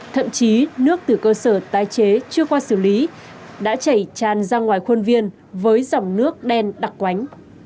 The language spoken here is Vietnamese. thậm chí nước từ cơ sở tái chế chưa qua xử lý đã chảy tràn ra ngoài khuôn viên với dòng nước đen đặc quánh